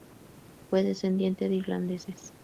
Fue descendiente de irlandeses.